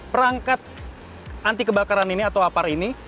perangkat anti kebakaran ini atau apar ini